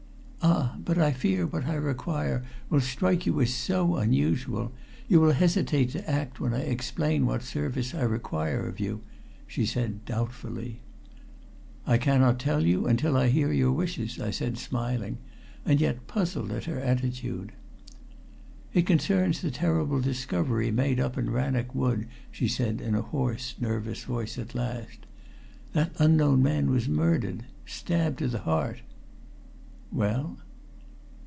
"Ah! But I fear what I require will strike you as so unusual you will hesitate to act when I explain what service I require of you," she said doubtfully. "I cannot tell you until I hear your wishes," I said, smiling, and yet puzzled at her attitude. "It concerns the terrible discovery made up in Rannoch Wood," she said in a hoarse, nervous voice at last. "That unknown man was murdered stabbed to the heart." "Well?"